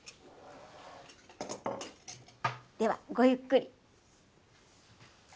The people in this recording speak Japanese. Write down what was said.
ではごゆっくり。